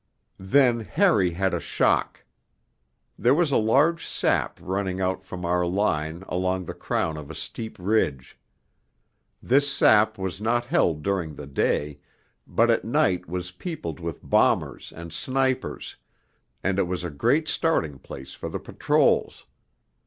IV Then Harry had a shock. There was a large sap running out from our line along the crown of a steep ridge. This sap was not held during the day, but at night was peopled with bombers and snipers, and it was a great starting place for the patrols.